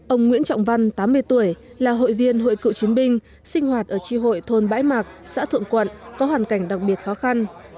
ông nguyễn trọng văn tám mươi tuổi là hội viên hội cựu chiến binh sinh hoạt ở tri hội thôn bãi mạc xã thượng quận có hoàn cảnh đặc biệt khó khăn